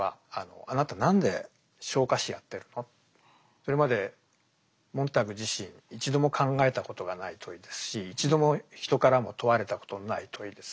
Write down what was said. それまでモンターグ自身一度も考えたことがない問いですし一度も人からも問われたことのない問いです。